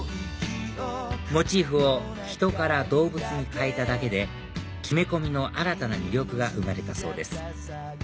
モチーフを人から動物に変えただけで木目込みの新たな魅力が生まれたそうです